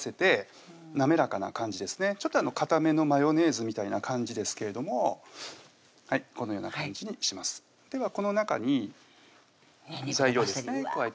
ちょっとかためのマヨネーズみたいな感じですけれどもこのような感じにしますではこの中に材料ですね加えていきます